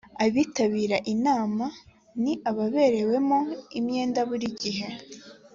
abitabira inama ni ababerewemo imyenda buri gihe